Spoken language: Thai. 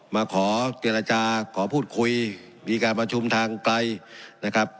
มาขอเจรจาขอพูดคุยมีการประชุมทางไกลนะครับ